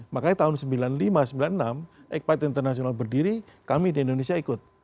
makanya tahun sembilan puluh lima sembilan puluh enam eikpait internasional berdiri kami di indonesia ikut